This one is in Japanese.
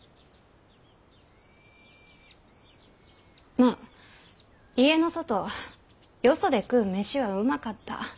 ま家の外よそで食う飯はうまかった。